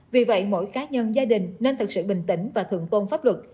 vì vậy mỗi cá nhân gia đình nên thật sự bình tĩnh và thượng tôn pháp luật